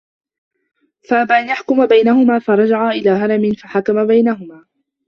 فَأَبَى أَنْ يَحْكُمَ بَيْنَهُمَا فَرَجَعَا إلَى هَرِمٍ فَحَكَمَ بَيْنَهُمَا